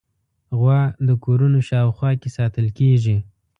غوا د کورونو شاوخوا کې ساتل کېږي.